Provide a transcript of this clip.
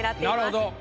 なるほど。